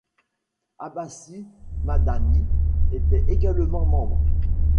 Abassi Madani était également membre.